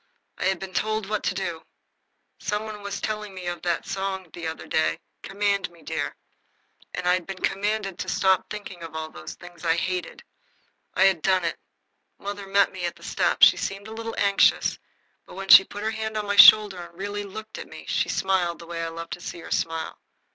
I had been told what to do. Some one was telling me of a song the other day, "Command me, dear." I had been commanded to stop thinking of all those things I hated. I had done it. Mother met me at the steps. She seemed a little anxious, but when she had put her hand on my shoulder and really looked at me she smiled the way I love to see her smile.